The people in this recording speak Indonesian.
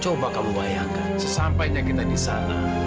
coba kamu bayangkan sesampainya kita di sana